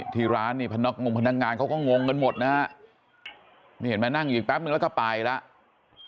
ที่ร้านนี่พนกงพนักงานเขาก็งงกันหมดนะฮะนี่เห็นไหมนั่งอยู่แป๊บนึงแล้วก็ไปแล้ว